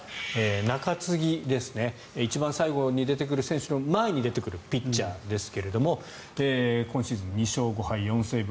中継ぎです一番最後に出てくる選手の前に出てくるピッチャーですが今シーズン２勝５敗４セーブ。